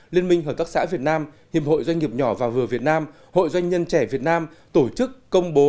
liên minh hợp tác xã việt nam hiệp hội doanh nghiệp nhỏ và vừa việt nam hội doanh nhân trẻ việt nam tổ chức công bố